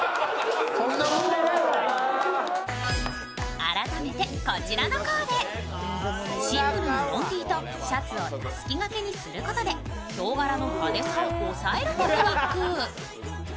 改めてこちらのコーデ、シンプルなロンＴとシャツをたすき掛けにすることでヒョウ柄の派手さを抑えるテクニック。